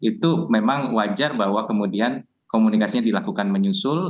itu memang wajar bahwa kemudian komunikasinya dilakukan menyusul